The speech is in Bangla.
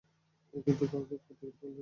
কিন্তু কাউকেই দেখতে পেলেন না।